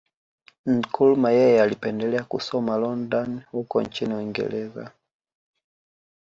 Nkrumah yeye alipendelea kusoma London huko nchini Uingereza